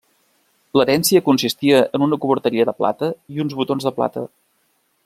L'herència consistia en una coberteria de plata i uns botons de plata.